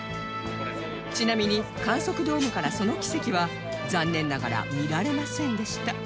ちなみに観測ドームからその奇跡は残念ながら見られませんでした